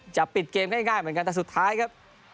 จะปิดเกมง่ายเหมือนกันแต่สุดท้ายครับ